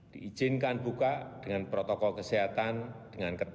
diizinkan buka dengan protokol kesehatan dengan ketat